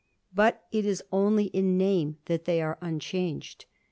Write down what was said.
But it is only in name that they are unchanged.